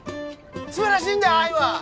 素晴らしいんだよ愛は。